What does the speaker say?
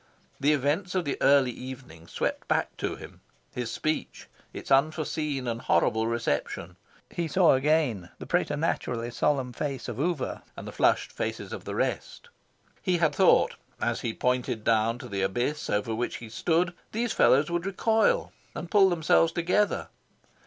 The events of the early evening swept back to him his speech, its unforeseen and horrible reception. He saw again the preternaturally solemn face of Oover, and the flushed faces of the rest. He had thought, as he pointed down to the abyss over which he stood, these fellows would recoil, and pull themselves together.